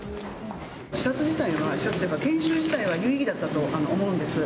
視察自体は、視察というか研修自体は有意義だったと思うんです。